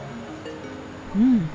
うん。